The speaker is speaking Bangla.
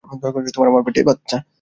দয়া করো, আমার পেটে বাচ্চা।